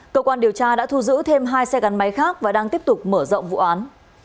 cơ quan điều tra đã thu giữ thêm hai xe gắn máy khác và đang tiếp tục mở rộng vụ án